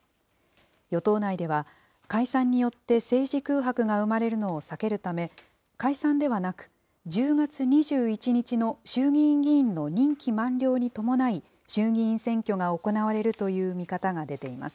与党内では、解散によって政治空白が生まれるのを避けるため、解散ではなく、１０月２１日の衆議院議員の任期満了に伴い、衆議院選挙が行われるという見方が出ています。